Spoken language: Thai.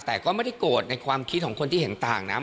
แต่ก็ไม่ได้โกรธในความคิดของคนที่เห็นต่างนะ